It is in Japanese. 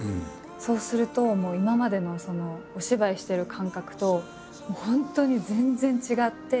そうするともう今までのお芝居してる感覚と本当に全然違って。